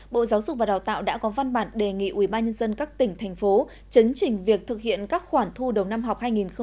bộ giáo dục và đào tạo đã có văn bản đề nghị ubnd các tỉnh thành phố chấn trình việc thực hiện các khoản thu đầu năm học hai nghìn hai mươi hai nghìn hai mươi một